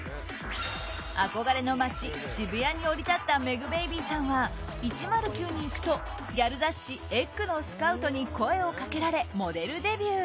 憧れの街・渋谷に降り立ったｍｅｇｂａｂｙさんは１０９に行くとギャル雑誌「ｅｇｇ」のスカウトに声をかけられモデルデビュー。